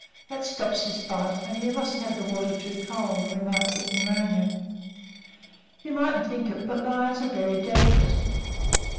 That stops his fight, only you mustn't have the water too cold, or he may get pneumonia. You mightn't think it, but lions are very delicate.